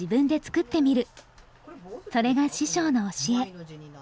それが師匠の教え。